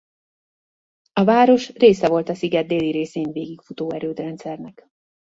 A város része volt a sziget déli részén végigfutó erődrendszernek.